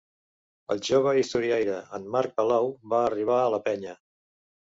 El jove historiaire, en Marc Palau, va arribar a la penya.